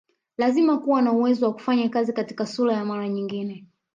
Lazima kuwa na uwezo wa kufanya kazi katika sura ya mara nyingi